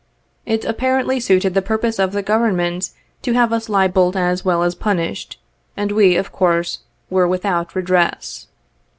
It apparently suited the purpose of the Government to have us libelled as well as punished, and we, of course, were without redress.